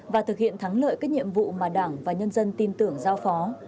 và thực hiện thắng lợi các nhiệm vụ mà đảng và nhân dân tin tưởng giao phó